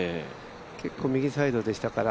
結構右サイドでしたから。